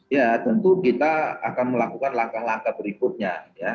ya tentu kita akan melakukan langkah langkah berikutnya